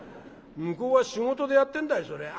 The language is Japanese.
向こうは仕事でやってんだいそりゃ」。